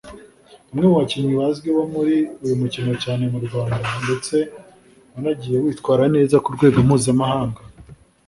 umwe mu bakinnyi bazwi muri uyu mukino cyane mu Rwanda ndetse wanagiye yitwara neza ku rwego mpuzamahanga